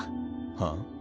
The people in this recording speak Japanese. はあ？